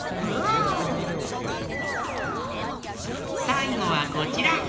さいごはこちら。